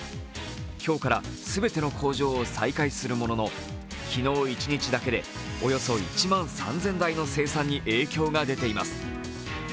今日から全ての工場を再開するものの昨日一日だけでおよそ１万３０００台の生産に影響が出ています。